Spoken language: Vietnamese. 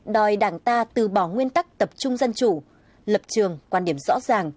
đòi đảng ta từ bỏ nguyên tắc tập trung dân chủ lập trường quan điểm rõ ràng